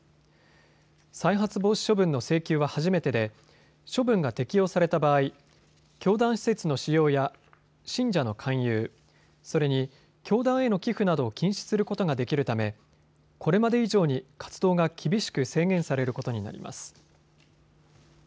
再発防止処分の請求は初めてで処分が適用された場合、教団施設の使用や信者の勧誘、それに教団への寄付などを禁止することができるためこれまで以上に活動が厳しく制限されることになります。